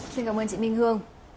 xin cảm ơn chị minh hương